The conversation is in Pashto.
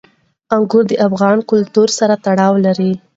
انګور د افغان کلتور سره تړاو لري.